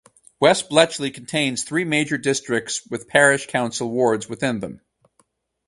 West Bletchley contains three major districts with parish council wards within them.